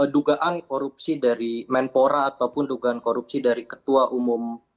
dugaan korupsi dari menpora ataupun dugaan korupsi dari ketua umum